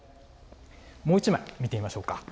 もう１枚、見てみましょうか。